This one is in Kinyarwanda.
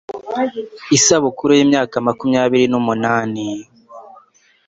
isabuku y'imyaka makumyabiri numunani